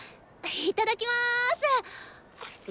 いただきます。